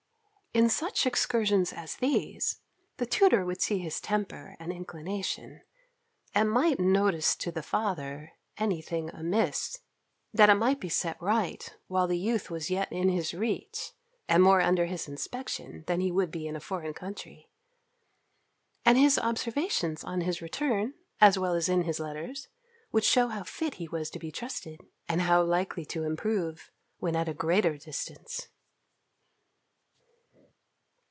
In such excursions as these, the tutor would see his temper and inclination, and might notice to the father any thing amiss, that it might be set right, while the youth was yet in his reach, and more under his inspection, than he would be in a foreign country; and his observations, on his return, as well as in his letters, would shew how fit he was to be trusted; and how likely to improve, when at a greater distance.